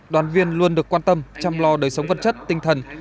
đoàn viên luôn được quan tâm chăm lo đời sống vật chất tinh thần